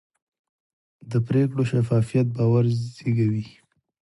د پرېکړو شفافیت باور زېږوي